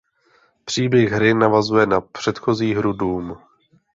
Příběh hry navazuje na předchozí hru Doom.